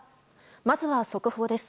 まずは速報です。